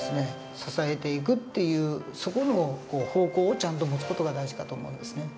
支えていくっていうそこの方向をちゃんと持つ事が大事かと思うんですね。